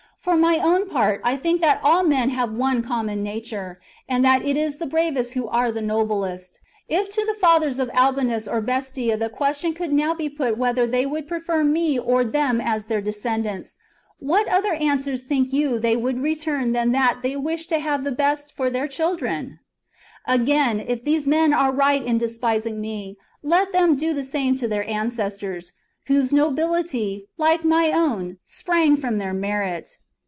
For my own char part I think that all men have one common nature, and that it is the bravest who are the noblest. If to the fathers of Albinus or Bestia the question could now be put whether they would prefer me or them as their descendants, what other answer think you they would return than that they wished to have the best for their children } Again, if these men are right in despising me, let them do the same to their ancestors, whose nobility, like my own, sprang from their merit.